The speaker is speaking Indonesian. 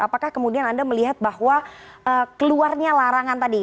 apakah kemudian anda melihat bahwa keluarnya larangan tadi